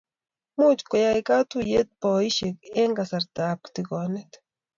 much koyai katuyet boishet eng kasarta ab tigonet